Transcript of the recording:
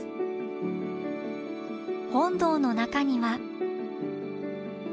本堂の中には。